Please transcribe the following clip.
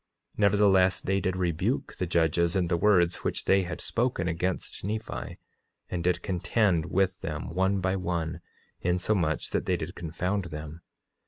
Nevertheless, they did rebuke the judges in the words which they had spoken against Nephi, and did contend with them one by one, insomuch that they did confound them.